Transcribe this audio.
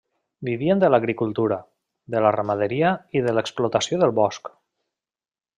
Vivien de l'agricultura, de la ramaderia i de l'explotació del bosc.